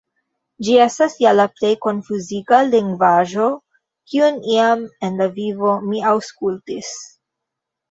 Ĝi estas ja la plej konfuziga lingvaĵo kiun iam en la vivo mi aŭskultis.